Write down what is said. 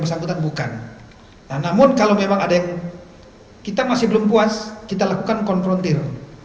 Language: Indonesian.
bersangkutan bukan namun kalau memang ada yang kita masih belum puas kita lakukan konfrontir